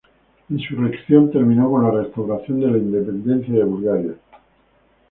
La insurrección terminó con la restauración de la independencia de Bulgaria.